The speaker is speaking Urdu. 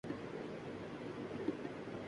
وہ بے معنی شور شرابہ ہے۔